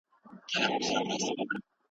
تېر سياسي جريانونه ژوره څېړنه او مطالعه غواړي.